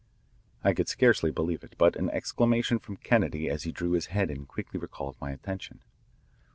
I could scarcely believe it, but an exclamation from Kennedy as he drew his head in quickly recalled my attention.